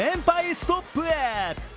ストップへ。